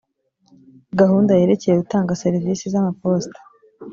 gahunda yerekeye utanga serivisi z’amaposita